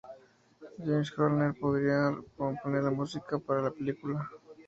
James Horner podría componer la música para la película.